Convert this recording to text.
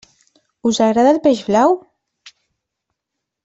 Us agrada el peix blau?